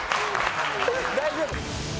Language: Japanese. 大丈夫。